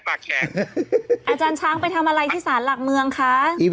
พี่เดินนี่พวกเดินต้องไปจากสารรักเมืองเดียว